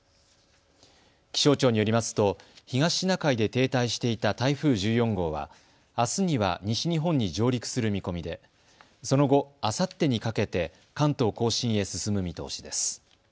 気象庁によりますと東シナ海で停滞していた台風１４号はあすには西日本に上陸する見込みでその後、あさってにかけて関東甲信へ進む見通しです。